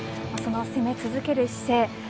その攻め続ける姿勢。